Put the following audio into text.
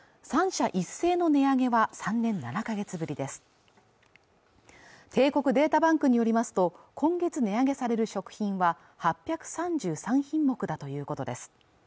３社一斉の値上げは３年７か月ぶりです帝国データバンクによりますと今月値上げされる食品は８３３品目だということです